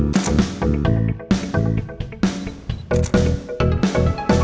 gimana itu udah selesai